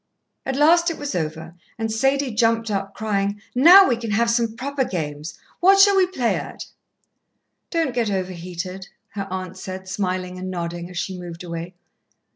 At last it was over, and Sadie jumped up, crying, "Now we can have some proper games! What shall we play at?" "Don't get over heated," her aunt said, smiling and nodding as she moved away.